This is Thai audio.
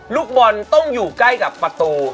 ลูกบอลต้องอยู่ใกล้กับประตู